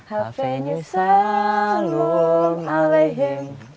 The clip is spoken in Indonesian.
hafen yusalam alehim